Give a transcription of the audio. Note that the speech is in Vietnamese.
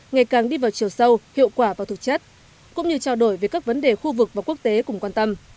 ngày càng đi vào chiều sâu hiệu quả và thực chất cũng như trao đổi về các vấn đề khu vực và quốc tế cùng quan tâm